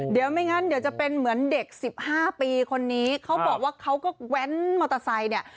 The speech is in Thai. เดี๋ยวไม่งั้นเดี๋ยวจะเป็นเหมือนเด็กสิบห้าปีคนนี้เขาบอกว่าเขาก็แว้นมอเตอร์ไซค์เนี่ย